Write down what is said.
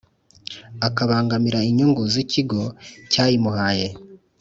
Akabangamira inyungu z ikigo cyayimuhaye